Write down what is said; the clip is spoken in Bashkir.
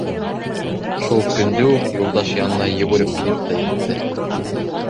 Шул көндө үк Юлдаш янына йүгереп килеп тә етте.